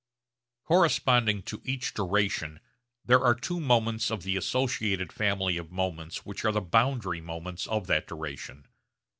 Corresponding to each duration there are two moments of the associated family of moments which are the boundary moments of that duration.